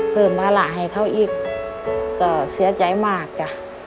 เพิ่มภาระให้เขาอีกก็เสียใจมากจ้ะ